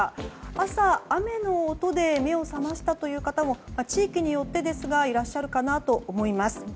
朝、雨の音で目を覚ましたという方も地域によってですがいらっしゃるかなと思います。